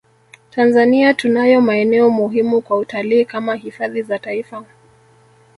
Tanzania tunayo maeneo muhimu kwa utalii kama hifadhi za taifa